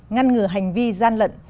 ngăn ngừa hành vi gian lận